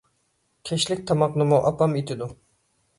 كەچلىك تاماقنىمۇ ئاپام ئېتىدۇ.